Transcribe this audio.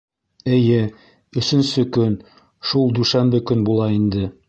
— Эйе, өсөнсө көн, шул дүшәмбе көн була инде.